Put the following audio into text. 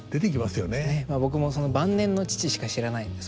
僕も晩年の父しか知らないので。